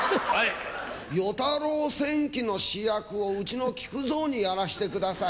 『与太郎戦記』の主役をうちの木久蔵にやらせてください。